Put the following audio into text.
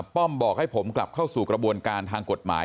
ป้อมบอกให้ผมกลับเข้าสู่กระบวนการทางกฎหมาย